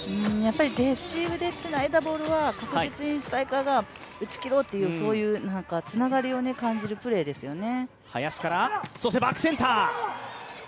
レシーブでつないだボールは確実にスパイカーが打ち切ろうというつながりを感じるプレーですね。